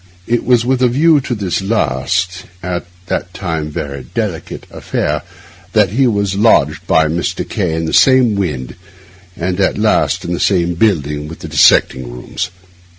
It was with a view to this last—at that time very delicate—affair that he was lodged by Mr. K— in the same wynd, and at last in the same building, with the dissecting rooms.